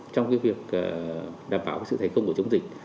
trong việc đảm bảo sự thành công của chúng ta